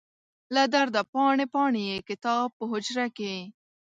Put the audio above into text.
له درده پاڼې، پاڼې یې کتاب په حجره کې